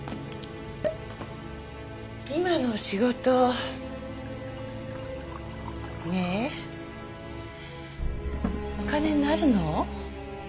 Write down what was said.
今の仕事ねえお金になるの？